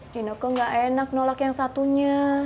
dina ke gak enak nolak yang satunya